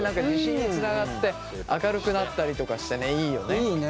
自信につながって明るくなったりとかしてねいいよね。